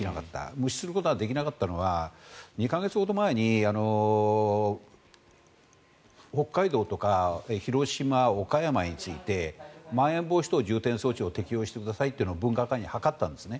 無視することができなかったのは２か月ほど前に北海道とか広島、岡山についてまん延防止等重点措置を適用してくださいと分科会に諮ったんですね。